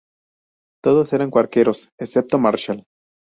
Todos eran cuáqueros, excepto Marshall.